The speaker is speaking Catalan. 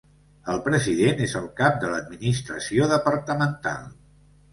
El president és el cap de l'administració departamental.